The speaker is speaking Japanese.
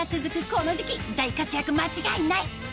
この時期大活躍間違いなし！